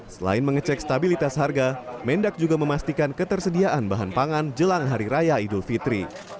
selain mengecek stabilitas harga mendak juga memastikan ketersediaan bahan pangan jelang hari raya idul fitri